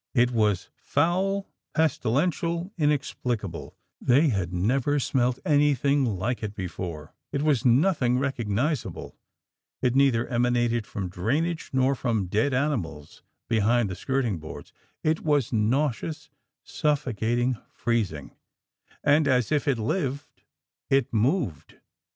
It was foul, pestilential, inexplicable; they had never smelt anything like it before; it was nothing recognisable; it neither emanated from drainage nor from dead animals behind the skirting boards; it was nauseous, suffocating, freezing and as if it lived it MOVED.